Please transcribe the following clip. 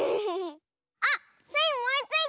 あっスイおもいついた！